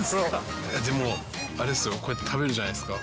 でも、あれですよ、これ、食べるじゃないですか。